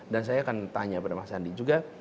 dan saya akan tanya kepada bang sandi juga